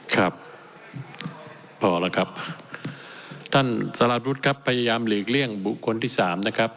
ครับพอแล้วครับท่านสารวุฒิครับพยายามหลีกเลี่ยงบุคคลที่สามนะครับ